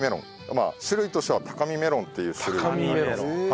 まあ種類としてはタカミメロンっていう種類になります。